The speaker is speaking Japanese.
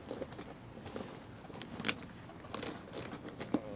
ああ。